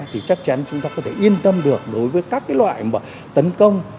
thì chắc chắn chúng ta có thể yên tâm được đối với các loại tấn công